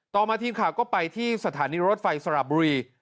ต่อมาทีมข่าวก็ไปที่สถานีรถไฟสระบุรี